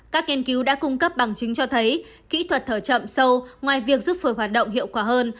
các nghiên cứu đã cung cấp bằng chứng cho thấy kỹ thuật thở chậm sâu ngoài việc giúp phở hoạt động hiệu quả hơn